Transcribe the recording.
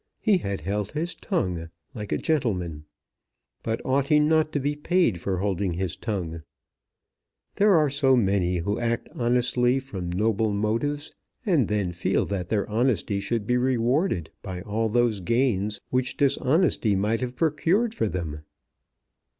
He had held his tongue, like a gentleman. But ought he not to be paid for holding his tongue? There are so many who act honestly from noble motives, and then feel that their honesty should be rewarded by all those gains which dishonesty might have procured for them!